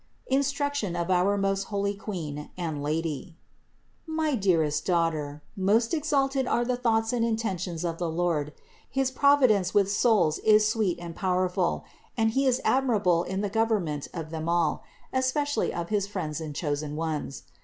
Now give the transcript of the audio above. [NSTRUCTION OF OUR MOST HOLY QUEEN AND I^ADY. 384. My dearest daughter, most exalted are the thoughts and intentions of the Lord ; his Providence with souls is sweet and powerful and He is admirable in the government of them all, especially of his friends and chosen ones.